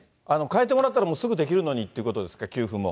変えてもらったら、すぐできるのにってことですか、給付も。